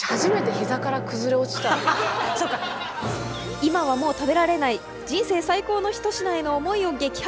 今はもう食べられない人生最高のひと品への思いを激白。